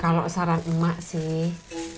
kalau saran emak sih